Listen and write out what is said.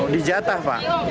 di jatah pak